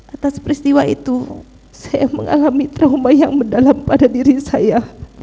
atas peristiwa itu saya mengalami trauma yang mendalam pada diri saya